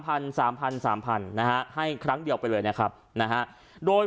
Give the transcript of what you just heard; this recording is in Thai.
สามพันสามพันนะฮะให้ครั้งเดียวไปเลยนะครับนะฮะโดย